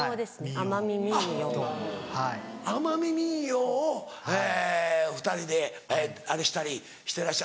奄美民謡を２人であれしたりしてらっしゃる。